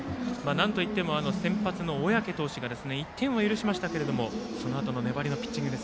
なんといっても先発の小宅投手が１点は許しましたがそのあとの粘りのピッチング。